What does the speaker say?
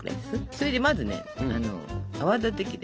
それでまずね泡立て器で。